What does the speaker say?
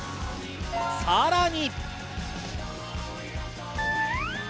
さらに。